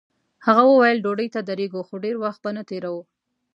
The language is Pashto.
هغه ویل ډوډۍ ته درېږو خو ډېر وخت به نه تېروو.